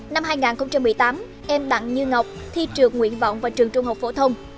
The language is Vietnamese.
năm hai nghìn một mươi tám em đặng như ngọc thi trường nguyện vọng và trường trung học phổ thông